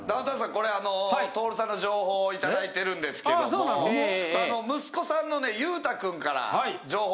これ徹さんの情報いただいてるんですけども息子さんのね裕太くんから。